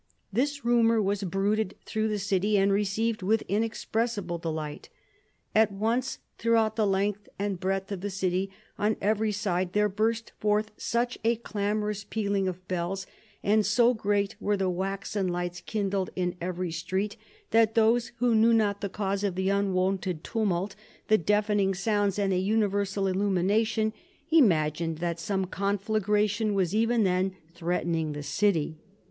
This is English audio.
This rumour was bruited through the city, and received with inexpressible delight. At once throughout the length and breadth of the city on every side there burst forth such a clamorous pealing of bells, and so great were the waxen lights kindled in every street, that those who knew not the cause of the unwonted tumult, the deafening sounds, and the universal illumination, imagined that some conflagration was even then threatening the city.